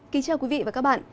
kính chào quý vị và các bạn